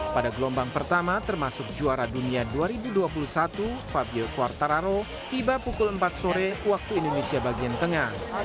pada gelombang pertama termasuk juara dunia dua ribu dua puluh satu fabio quartararo tiba pukul empat sore waktu indonesia bagian tengah